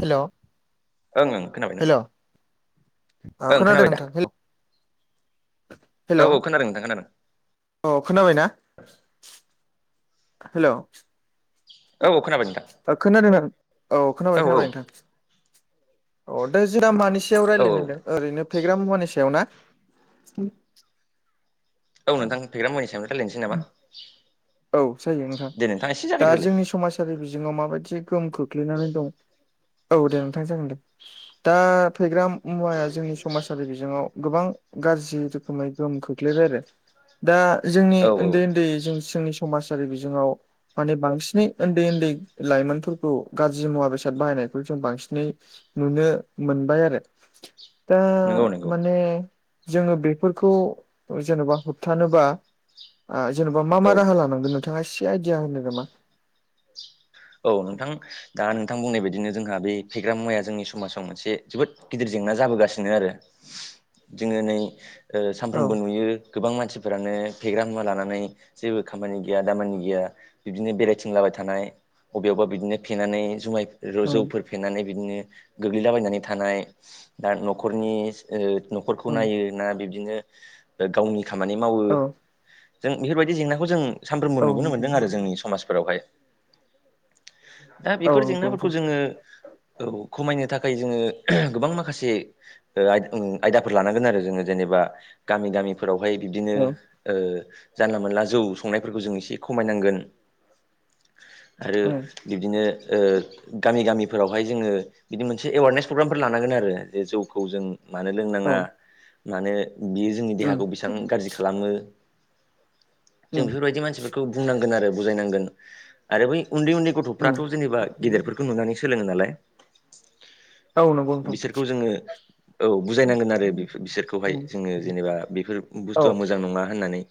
हेल'। ओं ओं खोनाबायना हेल' ओं खोनादों खोनाबाय दा नोंथां हेल। औ खोनादों नथ खोनादों अ खोनाबायनाा? हेल', औ खोनाबाय नोंथां। ओ खोनादोंना? औ खोनाबाय खोनाबाय नोंथां औ दे जों मानैसेायाव औ रायज्लायनो होनदों। ओरैनो फेग्रा मुवानि सायाव ना औ नोंथां फेग्रा मनि सायावथाय लायनोसै नामा। औ जायो नोंथां दे नोंथाङा एसे दा जागायग्रोलाय जोंनि समाजारि बिजोङाव माबायदि गोहोम खोख्लैनानै दं। औ दे नोंथां जागोन दे दा फेनग्रा मुवाया जोंनि समाजारि बिजोङाव गोबां गाज्रि रोखोमै गोहोम खोख्लैबाय। आरो दा जोंनि औ औ उन्दै उन्दै जों जोंनि समाजारि बिजोङाव माने बांसिनै उन्दै उन्दै लाइमोनफोरखौ गाज्रि मुवा बेसाद बाहायनायखौ जों बांसिनै नुनो मोनबाय आरो। दा नंगौ नंगौ माने जोङो बेफोरखौ जेनेबा होबथानोबा जेनेबा मा मा औ राहा लानांगौ? नोंथाङा एसे आइडिया होनो नोमा? औ नोंथां। दा नोंथां बुंनाय बायदिनो जोंहा बे फेग्रा मुवाया जोंनि समाजाव मोनसे जोबोद गिदिर जेंना जाबोगासिनो आरो। जोङो नै औ सानफ्रोमबो नुयो गोबां मानसिफोरानो फेग्रा मुवा लानानै जेबो खामानि गैया दामानि गैया बिबदिनो बेरायथिं लाबाय थानाय अबेयावबा बिदिनो फेनानै जुमाय ओं जौफोर फेनानै बिदिनो गोग्लैलाबायनानै थानाय दा न'खरनि न'खरखौ ओं नायो ना बिब्दिनो गावनि खामानि मावो औ जों बेफोरबायदि जेंनाखौ जों औ सानफ्रोमबो नुबोनो नंगौ मोन्दों आरो जोंनि समाजफोरावहाय दा औ बेफोर नंगौ जेंनाफोरखौ नोंथां औ जोङो। औ खमायनो थाखाय जोङो गोबां माखासे आयदाफोर लानांगोन आरो जोङो जेनेबा गामि दामिफोरावहाय बिब्दिनो ओम औ ओम जानला मोनानला जौ संनायफोरखौ जों एसे खमायनांगोन आरो बिब्दिनो ओ गामि गामिफोरावहाय जोङो बिदि मोनसे एवारनेस प्रग्रामफोर लानांगोन आरो जे जौखौ जों मानो ओम लोंनाङा मानो बियो जोंनि देहाखौ बेसेबां बोबां गाज्रि खालामो जों बेफोरबायदि मानसि [unintelligible] बनांगोन आरो बुजायनांगोन आरो बै न्दै न्दै ओम गथ'फ्राथ' औ जेनेबा गेदेरफोरखौ नुनानै सोलोङो नालाय। नंगौ नोंथां बिसोरखौ जोङो औ बुजायनांगोन आरो बिसोरखौहाय ओम जोङो जेनेबा बेफोर औ बुस्थुा मोजां नङा होननानै।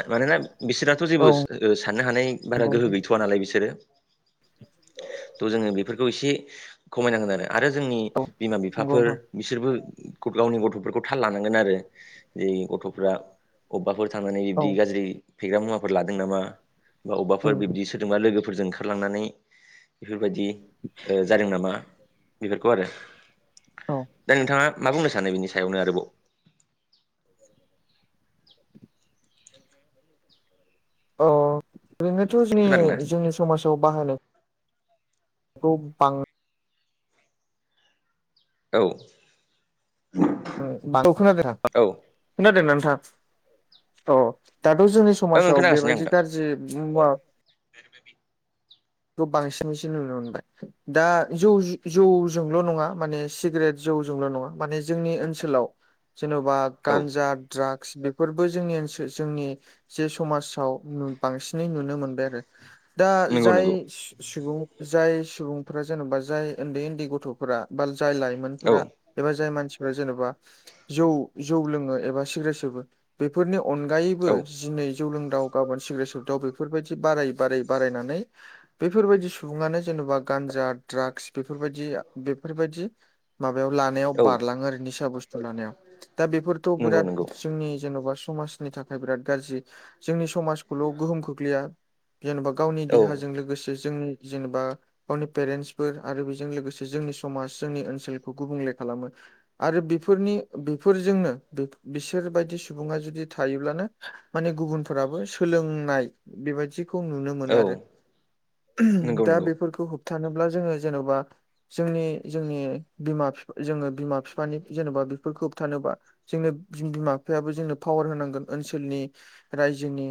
मानोना बिसोराथ' जेबो औ साननो हानाय नंगौ बारा गोहो गैथ'वा नालाय बिसोरो। थ' जोङो बेफोरखौ एसे खमायनांगोन आरो आरो जोंनि बिमा नंगौ बिफाफोर नोंथां बिसोरबो गावनि गथ'फोरखौ थाल लानांगोन आरो जे गथ'फ्रा अबौबाफोर थांनानै औ बिब्दि गाज्रि फेग्रा मुवाफोर लादों नामा बा अबफोर ओम बिब्दि सोदोंबा लोगोफोरजों खारलांनानै बेफोरबायदि जादों नामा बेफोरखौ आरो। औ दा नोंथाङा मा बुंनो सानो बिनि सायावनो आरोबाव अ' ओरैनोथ' जोंनि खोनादोंना जोंनि समाजाव बाहो खौ बां औ औ खोनादों औ ओं खोनादों नोंथां औ दाथ' जोंनि ओं समाजाव खोनागासिनो आं बेबायदि नोंथां गाज्रि मुवा बेखौ बांसिनसो नुनो मोनबाय। दा जौ जौजोंल' नङा माने सिगारेट जौजोंल' नङा माने जोंनि ओनसोलाव जेन'बा औ गान्जा ड्राग्स बेफोरबो जोंनि ओनसोल जोंनि जे समाजाव बांसिनै नुनो मोनबाय आरो। दा नंगौ जाय नंगौ सुबुं जाय सुबुंफोरा जेनेबा जाय उन्दै उन्दै गथ'फोरा बा जाय औ लाइमोनफोरा एबा जाय मानसिफोरा जेन'बा जौ जौ लोङो एबा सिग्रे सोबो बेफोरनि अनगायैबो औ जिनै जौ लोंदाव गाबोन सिग्रेट सदाव बेफोरबायदि बारायै बारायै बारायनानै बेफोरबायदि सुबुङानो जेन'बा गान्जा ड्रागस बेफोरबायदि बेफोरबायदि माबायाव लानायाव औ बारलाङो आरो निसा बुस्थु लानायाव दा बेफोरथ' नंगौ बिराद नंगौ जोंनि जेन'बा समाजनि थाखाय बिराद गाज्रि जोंनि समाजखौल' गोहोम खोख्लैया जेनेबा गावनि औ देहाजों लोगोसे जोंनि जेनेबा गावनि पेरेन्टसफोर आरो बेजों लोगोसे जोंनि समाज जोंनि ओनसोलखौ गुबुंले खालामो। आरो बेफोरनि बेफोरजोंनो बिसोरबायदि सुबुङा जुदि थायोब्लानो माने गुबुनफोराबो सोलोंनाय बेबायदि खौ नुनो मोनो औ आरो। नंगौ दा नंगौ बेफोरखौ थानोब्ला जोङो जेन'बा जोंनि जोंनि बिमा जोङो बिमा बिफानि जेन'बा बे खोबथानोबा जोंनो बिमा बिफायाबो जोंनो पावार होनांगोन ओनसोलनि रायजोनि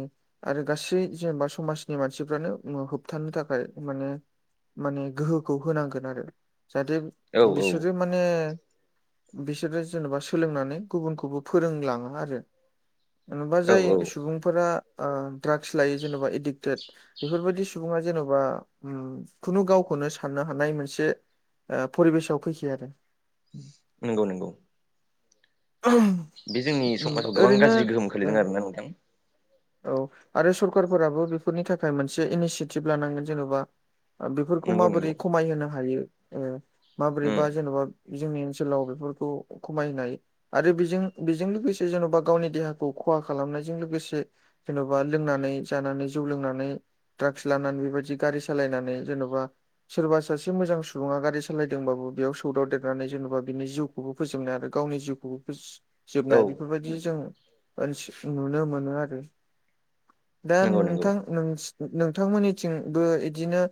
आरो गासै जेनेबा समाजनि मानसिफ्रानो होबथानो थाखाय माने माने गोहोखौ होनांगोन आरो जाहाथे औ बिसोरो माने बिसोरो जेनेबा सोलोंनानै गुबुनखौबो फोरोंलाङो आरो। जेनेबा औ जाय औ सुबुंफोरा ओ ड्राग्स लायो जेनेबा एडिक्टेड बेफोरबायाददि सुबुङा जेन'बा खुनु गावखौनो साननो हानाय मोनसे ओ फरिबेसाव फैखाया आरो‌ नंगौ नंगौ बे जोंनि समाजाव गोबां ओरैनो गाज्रि गोहोम ओ खख्लैदों आरोना नोंथां औ आरो सरखारारफोराबो बेफोरनि थाखाय मोनसे इनिसियेटिभ लानांगोन जेन'बा बेफोरखौ नंगौ नंगौ माबोरै खमायहोनो हायो ओ उम माबोरैबा जेन'बा जोंनि ओनसोलाव बेफोरखौ खमायनाय आरो बेजों बेजों लोगोसे जेन'बा गावनि देहाखौ खहा खालामनायजों लोगोसे जेन'बा लोंनानै जानानै जौ लोंनानै ड्राक्स लानानै बेबायदि गारि सालायनानै जेन'बा सोरबा सासे मोजां सुबुङा गारि सालायदोंबाबो बेयाव सौदाव देरनानै जेन'बा बिनि जिउखौ खौबो फोजोबनाय आरो गावनि जिउखौबो फो औ जोबनाय बेफोरबायदि जों नुनो मोनो आरो दा नंगौ नंगौ नोंथां नोंथांमोननिथिंबो बिदिनो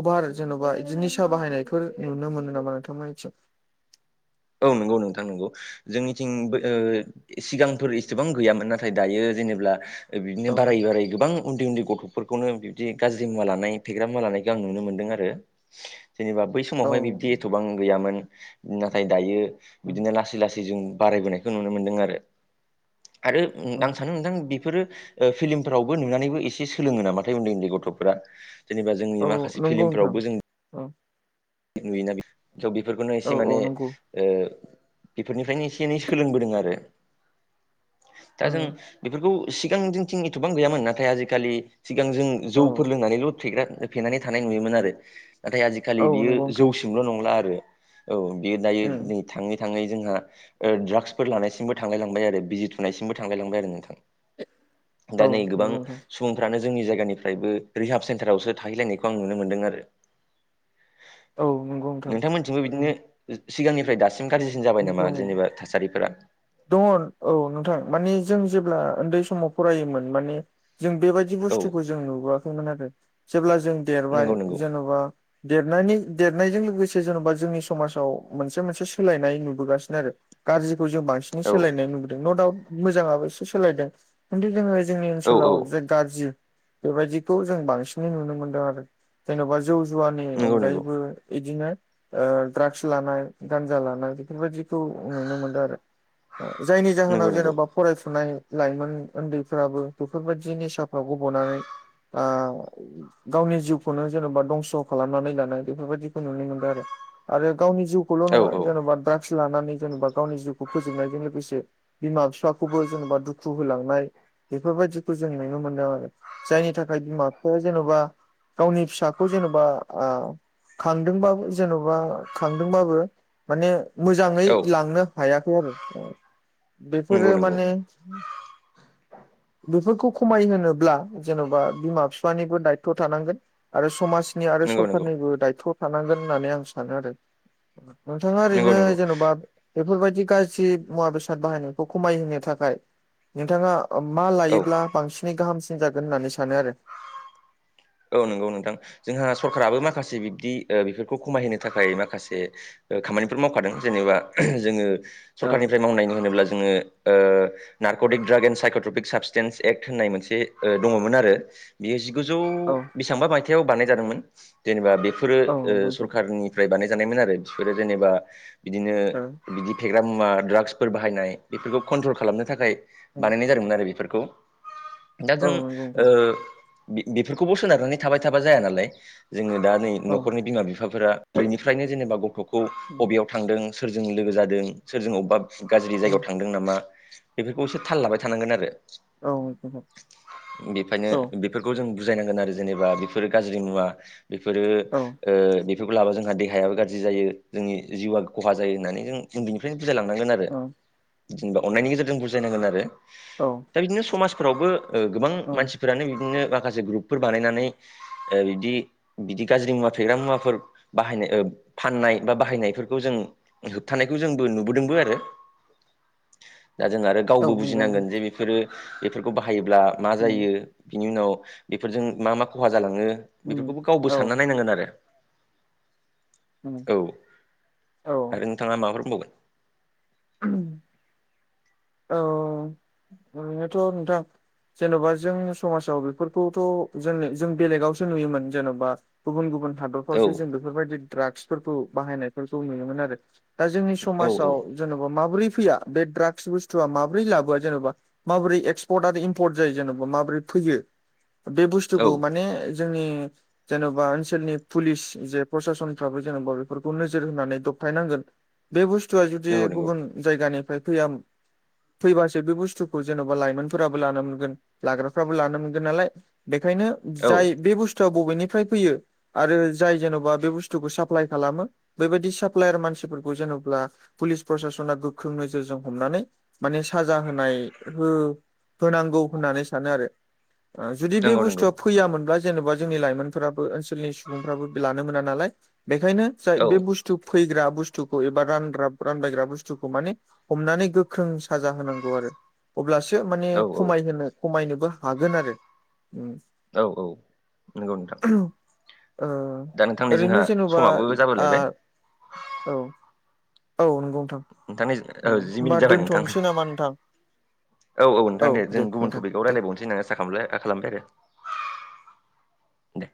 अभार जेन'बा बिदि निसा बाहायनायफोर नुनो मोनो नामा नोंथांमोना बिथिं औ नंगौ नोंथां नंगौ जोंनिथिंबो ओ सिगांफोर एसेबां गैयामोन नाथाय दायो जेनेब्ला बिदिनो औ बाराय बाराय गोबां उन्दै उन्दै गथ'फोरखौनो बिबदि गाज्रि मुवा लानाय फेग्रा मुवा लानायखौ आं नुनो मोनदों आरो। जेनेबा बै औ समावहाय बिब्दि एथ'बां गैयामोन नाथाय दायो उम बिदिनो लासै लासै जों बारायबोनायखौ नुनो मोनदों आरो आरो आं उम सानो नोंथां बेफोरो फिल्मफ्रावबो नुनानैबो एसे सोलोङो नामाथाय उन्दै उन्दै गथ'फोरा जेनेबा जोंनि औ माखासे नंगौ नोंथां औ नुयोना थ' बेफोरखौनो औ एसे माने औ नंगौ बेफोरनिफ्रायनो एसे एनै सोलोंबोदों आरो दा ओ जों बेफोरखौ सिगांनिथिं एथ'बां गैयामोन नाथाय आजिखालि सिगां जों औ जौफोर लोंनानैल' फेग्रा फेनानै थानाय नुयोमोन आरो नाथाय आजिखालि औ बियो। नंगौ नोंथां। जोंल' नंला आरो औ बेयो दायो उम नै थाङै थाङै जोंहा। ओ द्रागसफोर लानायसिमबो थांलायलांबाय आरो बिजि थुनायसिमबो थांलाय लांबाय आरो नोंथां। दा औ नै गोबां नंगौ नोंथां सुबुं। फोरानो जोंनि जायगानिफ्रायबो रिहाब सेन्टारावसो थाहैलायनायखौ आं नुनो मोन्दों आरो। औ नंगौ। नोंथां नोंथांमोनथिंबो बिदिनो सिगांनिफ्राय दासिम गाज्रिसिन जाबाय नामा दङ। जेनेबा थासारिफोरा। दङ औ नोंथां माने जों जेब्ला उन्दै समाव फरायोमोन माने। जों बेबायदि औ बुस्थुखौ जों नुबोआखैमोन आरो जेब्ला जों देरबाय नंगौ नंगौ जेन'बा। देरनायनि देरनायजों लोगोसे जेन'बा जोंनि समाजाव मोनसे मोनसे सोलायनाय। नुबोगासिनो आरो गाज्रिखौ जों बांसिनै औ सोलायनाय नुबोदों न' दाउट मोजाङाबो एसे सोलायदों। खिन्थु जोङो जोंनि औ ओनसोलाव। औ गाज्रि बेबायदिखौ जों बांसिनै नुनो मोनदों आरो जेन'बा। जौ जुवानि नंगौ नंगौ अनगायैबो बिदिनो द्रागस लानाय गान्जा लानाय। बेफोरबायदिखौ नुनो मोनदों आरो जायनि नंगौ जाहोनाव नंगौ जेनेबा। फरायफुनाय लाइमोन उन्दैफोराबो बेफोरबायदि निसाफ्राव गब'नानै। आ। गावनि जिउखौनो जेनेबा दंस' खालामनानै लानाय बेफोरबायदिखौ नुनो मोनदों आरो। आरो गावनि जिउखौल' औ नङा औ जेन'बा द्राग्स लानानै जेनेबा गावनि जिउखौ फोजोबनायजों लोगोसे। बिमा फिफाखौबो जेन'बा दुखु होलांनाय। बेफोरबायदिखौ जों नुनो मोनदों आरो जायनि थाखाय बिमा बिफाया जेन'बा। गावनि फिसाखौ जेन'बा आ। खांदोंबाबो जेन'बा खांदोंबाबो माने। मोजाङै औ लांनो हायाखै आरो। बेफोरो नंगौ नंगौ माने। बेफोरखौ खमाय होनोब्ला जेन'बा बिमा फिफानिबो दायथ' थानांगोन। आरो समाजनि आरो नंगौ नंगौ सरखारनिबो दायथ' थानांगोन होननानै आं सानो आरो नोंथाङा। नंगौ नो नंगौ जेन'बा बेफोरबायदि गाज्रि मुवा बेसाद बाहायनायखौ खमायहोनो थाखाय। नोंथाङा मा औ लायोब्ला बांसिनै गाहामसिन जागोन होननानै सानो आरो। औ नंगौ नोंथां जोंहा सरकाराबो माखासे बिब्दि ओ बेफोरखौ खमायहैनो थाखाय माखासे। खामानिफोर मावखादों जेनेबा जोङो औ सरखारनिफ्राय मावनाय होनोब्ला जोङो। ओ narcotic drug and psychotropic substance act होननाय मोनसे दङमोन आरो। बेयो जिगुजौ औ बिसांबा मायथाइयाव बानायनाय जादोंमोन जेनेबा बेफोरो औ ओ नंगौ नोंथां सरखारनि। फ्राय बानायजानायमोन आरो बिफोरो जेनेबा बिदिनो औ बिदि। फेग्रा मुवा ड्राग्सफोर बाहायनाय बेफोरखौ कन्ट्रल खालामनो थाखाय बानायनाय जादोंमोन आरो बेफोरखौ। दा औ जों नंगौ ओ नोंथां बेफोरखौबो सोनारनानै थाबाय थाबा जाया नालाय जोङो दा। नै औ न'खरनि बिमा बिफाफोरा बेनिफ्रायनो जेनेबा गथ'खौ बबेयाव थांदों सोरजों लोगो जादों सोरजों अबेबा गाज्रि ओम जायगायाव थांदों नामा? बेफोरखौ एसे थाल लाबाय थानांगोन आरो औ नोंथां बेखायनो औ बेफोरखौ जों बुजायनांगोन आरो जेनेबा बेफोरो गाज्रि मुवा बेफोरो। औ ओ बेफोरखौ लाबा जोंहा देहायाबो गाज्रि जायो जोंनि जिउआ खहा जायो होननानै जों उन्दैनिफ्रायनो बुजाय लांनांगोन आरो। जेनेबा अन्नायनि गेजेरजों बुजायनांगोन आरो। औ। दा बिदिनो समाजफोरावबो ओ गोबां औ मानसिफोरानो बिदिनो माखासे ग्रुपफोर बानायनानै ओ बिदि बिदि गाज्रि मुवा फेग्रा मुवाफोर बाहायनाय ओ फाननाय बा बाहायनायफोरखौ जों होबथानायखौ जोंबो नुबोदोंबो आरो दा जों आरो गावबो नंगौ नोंथां बुजिनांगोन जे बेफोरो बेफोरखौ बाहायोब्ला मा ओम जायो बिनि उनाव बेफोरजों मा मा खहा जालाङो ओम बेफोरखौबो औ गावबो सानना नायनांगोन आरो। ओम औ औ आरो नोंथाङा माबाफोर बुंबावगोन? उ। औ ओरैनोथ' नोंथां जेन'बा जों समाजाव बेफोरखौथ' जों जों बेलेगावसो नुयोमोन जेन'बा गुबुन गुबुन हादर औ [unintelligible] बेफोरबायदि द्रागसफोरखौ बाहायनायफोरखौ नुनो मोन आरो दा जोंनि औ समाजाव औ जेनेबा माबोरै फैया बे ड्राग्स बुस बुथुआ माबोरै लाबोआ जेनेबा माबोरै एक्सपर्ट आरो इम्पर्ट जायो जेनेबा माबोरै फैयो? बे बुस्थुखौ औ माने जोंनि जेन'बा ओनसोलनि पुलिस जे प्रससनफ्राबो जेनेबा बेफोरखौ नोजोर होनानै दबथाय नांगोन। बे बुस्थुआ जुदि नंगौ नंगौ गुबुन जायगानिफ्राय फैया फैबासो बे बुस्थुखौ जेन'बा लाइमोनफोराबो लानो मोनगोन लाग्राफ्राबो लानो मोनगोन नालाय। बेखायनो औ जाय बे बुस्थुआ बबेनिफ्राय फैयो आरो जाय जेन'बा बे बुस्थुखौ साप्लाय खालामो बेबायदि साप्लायार मानसिफोरखौ जेन'बा पुलिस प्रसासना गोख्रों नोजोरजों हमनानै माने साजा होनाय हो होनांगौ होननानै सानो आरो। जुदि बे नंगौ नंगौ बस्थु फैयामोनब्ला जेन'बा जोंनि लाइमोनफोराबो ओनसोलनि सुबुंफ्राबो लानो मोना नालाय बेखायनो जाय औ बे बुस्थु फैग्रा बुस्थुखौ एबा रान रानबायग्रा बुस्थुखौ माने हमनानै गोख्रों साजा होनांगौ आरो। अब्लासो माने औ खमायहोनो खमायनोबो हागोन आरो। औ औ। नोंगौ नोंथां। ओ दा नोंथां नै जोंहा ओरैनो जेन'बा समाबो आ जाबोलायबाय औ। औ नंगौ नोंथां। दानि औ जि मिनिट होमबा जाबाय नोंथां दोनथ'नोसै नामा नोंथां औ औ नोंथां दे जों गुबुन टपिकआव रायजलायबावनोसै नङास खालामलबाय खालामबाय आरो। दे